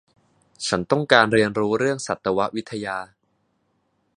ฉันต้องการเรียนรู้เรื่องสัตววิทยา